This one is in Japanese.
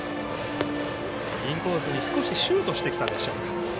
インコースに少しシュートしてきたでしょうか。